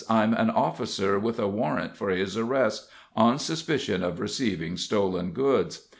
"I'm an officer with a warrant for his arrest, on suspicion of receiving stolen goods.